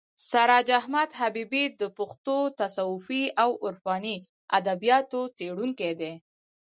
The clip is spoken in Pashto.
سراج احمد حبیبي د پښتو تصوفي او عرفاني ادبیاتو څېړونکی دی.